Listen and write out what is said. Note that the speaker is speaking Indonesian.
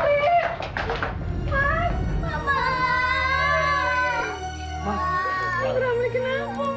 schedule sampai kamar kembali ke italia